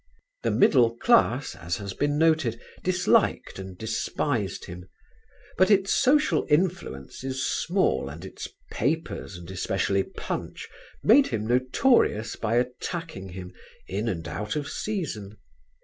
The middle class, as has been noted, disliked and despised him: but its social influence is small and its papers, and especially Punch, made him notorious by attacking him in and out of season.